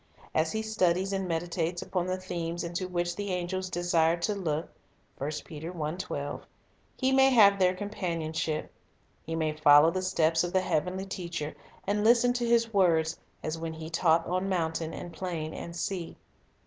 As he studies and meditates upon the themes into which "the angels desire to look," 2 he may have their companionship. He may follow the steps of the heavenly Teacher, and listen to His words as when He taught on mountain and plain and sea.